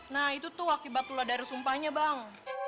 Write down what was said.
nah itu tuh akibat tuladar sumpahnya bang